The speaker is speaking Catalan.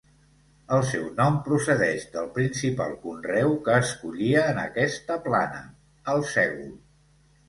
El seu nom procedeix del principal conreu que es collia en aquesta plana, el sègol.